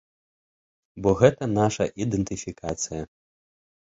Бо гэта наша ідэнтыфікацыя.